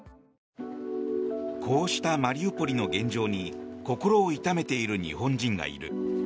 こうしたマリウポリの現状に心を痛めている日本人がいる。